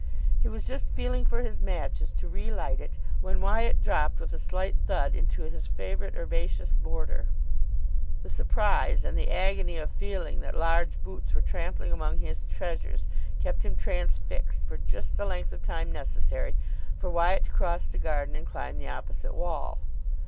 He was just feeling for his matches to relight it when Wyatt dropped with a slight thud into his favourite herbaceous border. The surprise, and the agony of feeling that large boots were trampling among his treasures kept him transfixed for just the length of time necessary for Wyatt to cross the garden and climb the opposite wall.